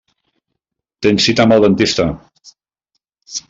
Tens cita amb el dentista.